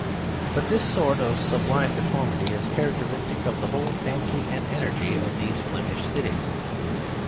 But this sort of sublime deformity is characteristic of the whole fancy and energy of these Flemish cities.